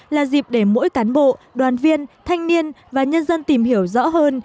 là dịp để mỗi cán bộ đoàn viên thanh niên và nhân dân tìm hiểu rõ hơn